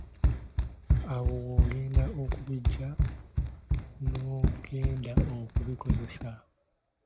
Awo w'ogenda okubijja ng‘ogenda okubikozesa.